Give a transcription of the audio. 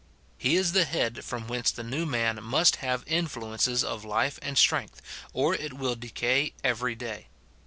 He is the head from whence the new man must have influences of life and strength, or it will decay every day.